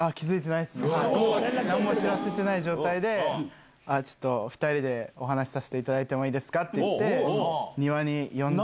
なんも知らせてない状態で、ちょっと、２人でお話させていただいてもいいですかって、庭に呼んで。